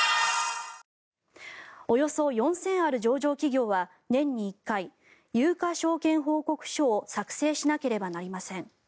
およそ４０００ある上場企業は年に１回、有価証券報告書を作成しなければなりません。